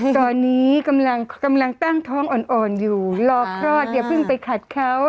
ตอนนี้กำลังตั้งท้องอ่อนอยู่รอคลอดอย่าเพิ่งไปขัดเขา